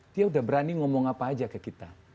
dia sudah berani ngomong apa saja ke kita